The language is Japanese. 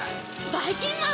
ばいきんまん！